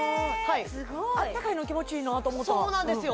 あったかいの気持ちいいなあと思たそうなんですよ